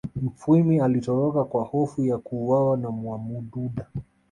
Mufwimi alitoroka kwa hofu ya kuuawa na Mwamududa